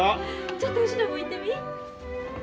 ちょっと後ろ向いてみ。